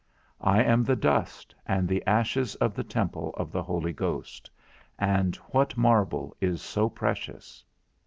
I am the dust and the ashes of the temple of the Holy Ghost, and what marble is so precious?